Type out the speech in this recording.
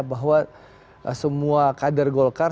bahwa semua kader golkar